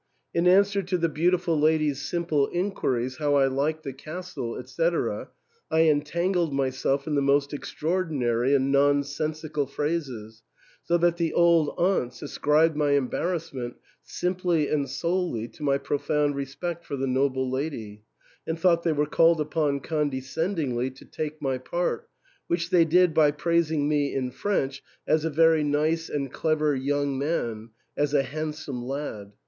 In answer to the beautiful lady's simple inquiries how I liked the castle, &c., I entangled myself in the most extraordinary and nonsensical phrases, so that the old aunts ascribed my embarrassment simply and solely to my profound respect for the noble lady, and thought they were called upon condescendingly to take my part, which they did by praising me in French as a very nice and clever young man, as a gar f on trh jolt (handsome lad).